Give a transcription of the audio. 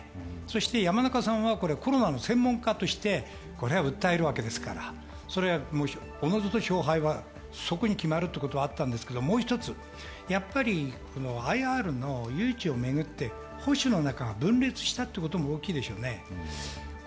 山中さんはコロナの専門家として訴えるわけですから、おのずと勝敗は決まるということはあったんですが、もう一つ、ＩＲの誘致をめぐって保守の仲が分裂したのが大きいでしょうね。